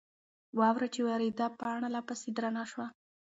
واوره چې وورېده، پاڼه لا پسې درنه شوه.